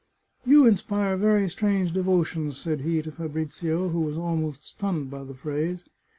" You inspire very strange devotions," said he to Fa brizio, who was almost stunned by the phrase.